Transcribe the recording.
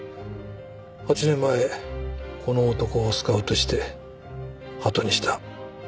８年前この男をスカウトしてハトにした。